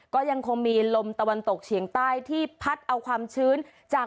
ก็ยังคงมีลมตะวันตกเฉียงใต้ที่พัดเอาความชื้นจาก